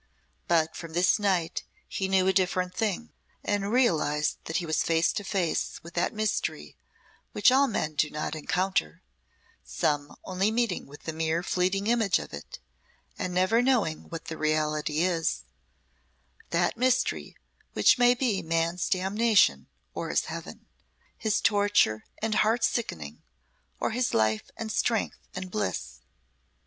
But from this night he knew a different thing, and realised that he was face to face with that mystery which all men do not encounter, some only meeting with the mere fleeting image of it and never knowing what the reality is that mystery which may be man's damnation or his heaven, his torture and heart sickening, or his life and strength and bliss.